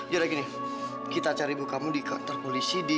yaudah gini kita cari ibu kamu di kantor polisi di